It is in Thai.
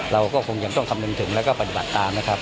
เราก็คงยังต้องคำนึงถึงแล้วก็ปฏิบัติตามนะครับ